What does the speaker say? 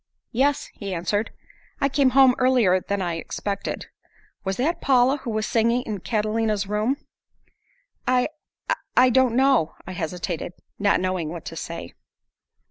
"Yes," he answered, "I came home earlier than I expected. Was that Paula who was singing in Catalina's room?" "I I don't know," I hesitated, not knowing what to say.